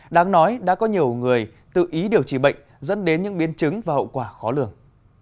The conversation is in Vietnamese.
đáng nói đã có nhiều người tự ý điều trị bệnh dẫn đến những biến chứng và hậu quả khó lường